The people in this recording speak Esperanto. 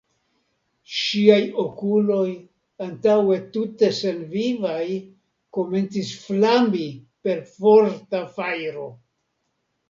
Ŝiaj okuloj, antaŭe tute senvivaj, komencis flami per forta fajro.